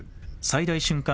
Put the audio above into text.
最大瞬間